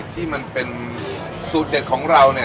ที่มันเป็นสูตรเด็ดของเราเนี่ย